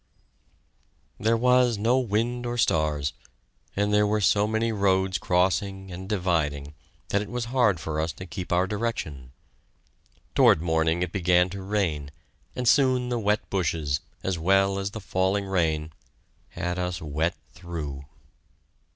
There was no wind or stars, and there were so many roads crossing and dividing, that it was hard for us to keep our direction. Toward morning it began to rain, and soon the wet bushes, as well as the falling rain, had us wet through.